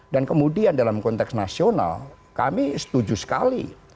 dan kemudian dalam konteks nasional kami setuju sekali